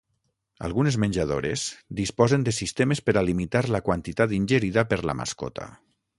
Algunes menjadores disposen de sistemes per a limitar la quantitat ingerida per la mascota.